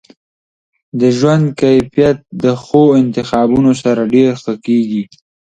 د ژوند کیفیت د ښو انتخابونو سره ډیر ښه کیږي.